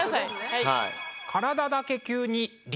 はい。